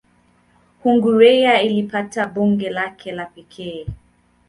Hungaria ilipata bunge lake la pekee.